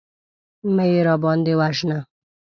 مه يې راباندې وژنه.